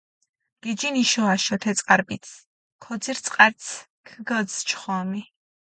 გიჯინ იშო-აშო თე წყარიპიცჷ, ქოძირჷ წყარცჷ ქჷგოძჷ ჩხომი.